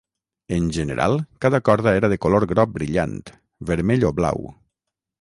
En general, cada corda era de color groc brillant, vermell o blau.